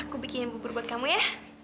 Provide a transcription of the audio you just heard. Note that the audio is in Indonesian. aku bikin yang berubah buat kamu ya